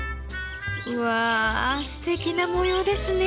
わあすてきな模様ですね。